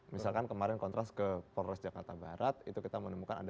misalkan kemarin kontras ke polres jakarta barat itu kita menemukan ada satu ratus delapan puluh tiga